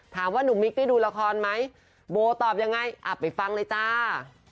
ถามว่าหนุ่มมิคได้ดูละครไหมบู๊ร์ตอบยังไงอะไปฟังเลยจ้า